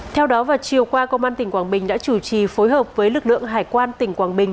theo đó vào chiều qua công an tỉnh quảng bình đã chủ trì phối hợp với lực lượng hải quan tỉnh quảng bình